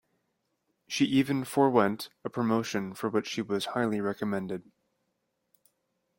She even forwent a promotion for which she was highly recommended.